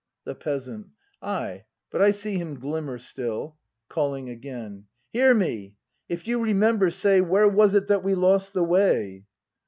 The Peasant. Ay, but I see him glimmer still. [Calling again.] Hear me, — if you remember, say. Where was it that we lost the way